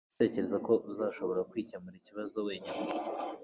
uratekereza ko uzashobora kwikemurira ikibazo wenyine